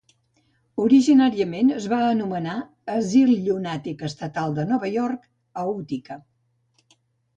Originàriament es va anomenar Asil Llunàtic Estatal de Nova York a Utica.